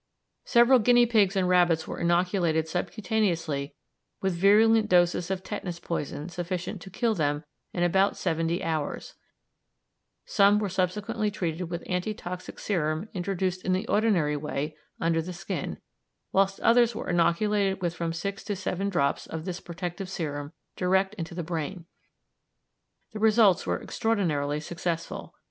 Several guinea pigs and rabbits were inoculated subcutaneously with virulent doses of tetanus poison sufficient to kill them in about seventy hours; some were subsequently treated with anti toxic serum introduced in the ordinary way under the skin, whilst others were inoculated with from six to seven drops of this protective serum direct into the brain. The results were extraordinarily successful.